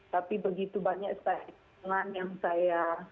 tapi begitu banyak statement yang saya